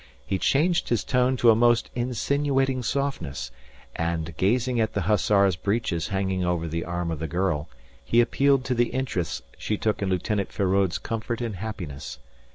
He changed his tone to a most insinuating softness; and gazing at the hussar's breeches hanging over the arm of the girl, he appealed to the interest she took in Lieutenant Feraud's comfort and happiness.